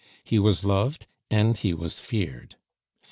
He was loved and he was feared.